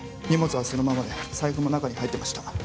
荷物はそのままで財布も中に入ってました